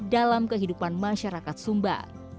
dalam kehidupan masyarakat sumba